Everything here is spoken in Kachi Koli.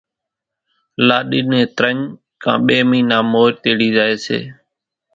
لاڏي نين ترڃ ڪان ٻي مئينا مور تيڙي زائي سي